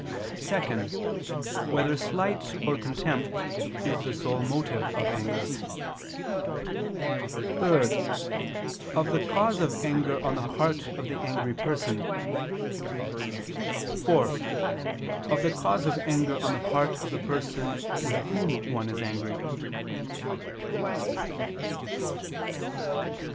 (2) Whether slight or contempt is the sole motive of anger? (3) Of the cause of anger on the part of the angry person; (4) Of the cause of anger on the part of the person with whom one is angry.